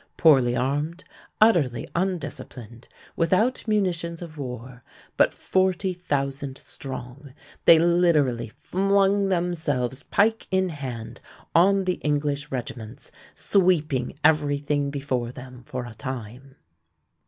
Poorly armed, utterly undisciplined, without munitions of war, but 40,000 strong, they literally flung themselves pike in hand on the English regiments, sweeping everything before them for a time.